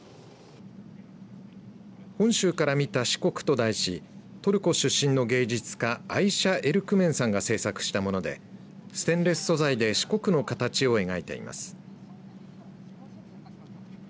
本州から見た四国と題しトルコ出身の芸術家アイシャ・エルクメンさんが制作したものでステンレス素材で四国の形を描いています。